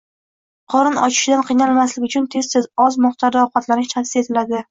Qorin ochishidan qiynalmaslik uchun tez-tez, oz miqdorda ovqatlanish tavsiya etiladi.